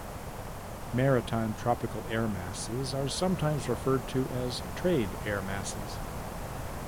Maritime tropical air masses are sometimes referred to as trade air masses.